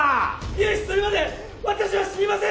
融資するまで私は死にません！